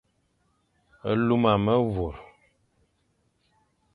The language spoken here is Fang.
Luma memvur,